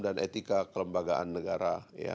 dan etika kelembagaan negara